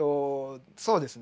そうですね。